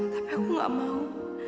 tapi aku gak mau